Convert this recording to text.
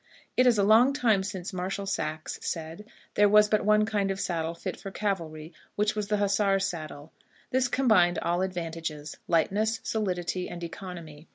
"It is a long time since Marshal Saxe said there was but one kind of saddle fit for cavalry, which was the hussar saddle: this combined all advantages, lightness, solidity, and economy.